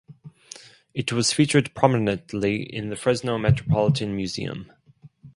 It was featured prominently in the Fresno Metropolitan Museum.